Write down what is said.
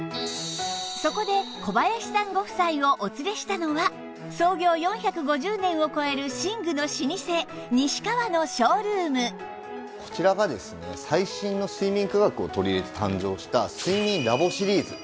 そこで小林さんご夫妻をお連れしたのは創業４５０年を超える寝具の老舗西川のショールームこちらがですね最新の睡眠科学を取り入れて誕生した睡眠 Ｌａｂｏ シリーズ。